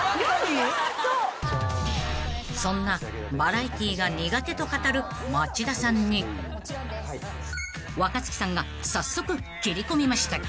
［そんなバラエティーが苦手と語る町田さんに若槻さんが早速切り込みました］